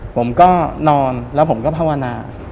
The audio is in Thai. ผมก็นอนแล้วผมก็ภาวนา